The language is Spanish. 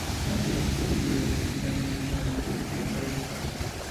Aquel año contribuye con la Trienal Internacional de Fotografía, París, Francia.